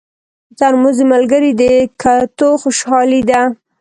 ترموز د ملګري د کتو خوشالي ده.